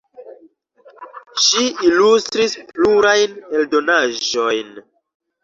Ŝi ilustris plurajn eldonaĵojn.